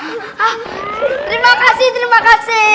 terima kasih terima kasih